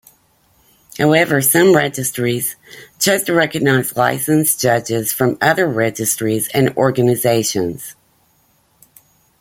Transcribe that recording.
However, some registries choose to recognize licensed judges from other registries and organizations.